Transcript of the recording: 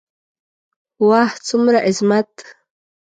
واه څومره عظمت.